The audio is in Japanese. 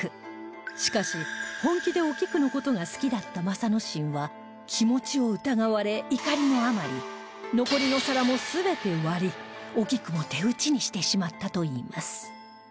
しかし本気でお菊の事が好きだった政之進は気持ちを疑われ怒りのあまり残りの皿も全て割りお菊も手討ちにしてしまったといいます